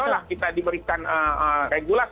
kalau kita diberikan regulasi